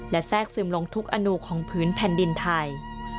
และแทรกซึมลงทุกอนุของพื้นแผ่นดินไทย